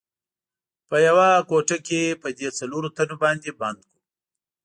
په یوه کوټه کې په دې څلورو تنو باندې بند کړو.